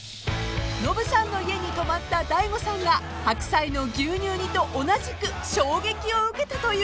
［ノブさんの家に泊まった大悟さんが白菜の牛乳煮と同じく衝撃を受けたという朝食とは？］